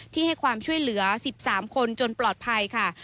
ให้ความช่วยเหลือ๑๓คนจนปลอดภัยค่ะ